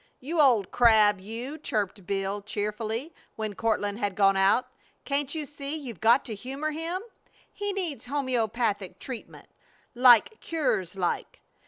"You old crab, you," chirped Bill, cheerfully, when Courtland had gone out. "Can't you see you've got to humor him? He needs homeopathic treatment. 'Like cures like.'